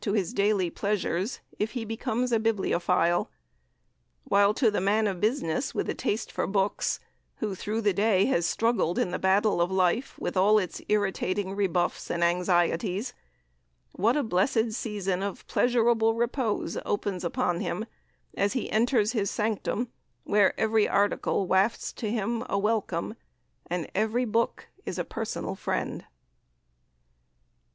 to his daily pleasures if he becomes a bibliophile; while to the man of business with a taste for books, who through the day has struggled in the battle of life with all its irritating rebuffs and anxieties, what a blessed season of pleasurable repose opens upon him as he enters his sanctum, where every article wafts to him a welcome, and every book is a personal friend!